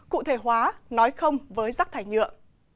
cụ thể hóa nói không với rắc thải nhựa